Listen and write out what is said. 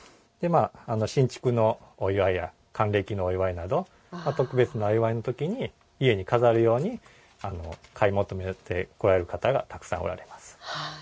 新築のお祝いや還暦のお祝いなど特別なお祝いの時に家に飾る用に買い求めに来られる方がたくさんおられます。